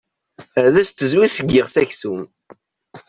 Ad as-tezwi seg yiɣes aksum.